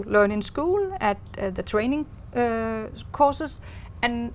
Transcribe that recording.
lần trước tôi đã đi vào một cuộc đoạn